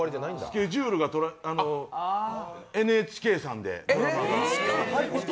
スケジュールがＮＨＫさんでドラマが。